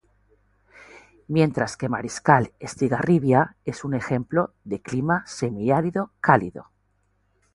Mientras que Mariscal Estigarribia es un ejemplo del clima semiárido cálido.